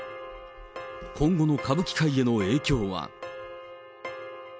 今後の歌舞伎界への影響は。